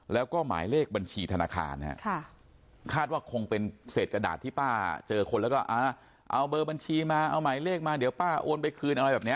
แล้วก็หมายเลขบัญชีธนาคารนะฮะคาดว่าคงเป็นเศษกระดาษที่ป้าเจอคนแล้วก็เอาเบอร์บัญชีมาเอาหมายเลขมาเดี๋ยวป้าโอนไปคืนอะไรแบบนี้